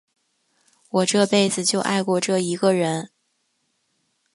我这辈子就爱过这一个人。